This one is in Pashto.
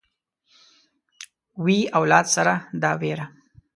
وي اولاد سره دا وېره